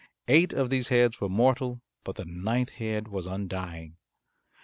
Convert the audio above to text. Eight of these heads were mortal, but the ninth head was undying.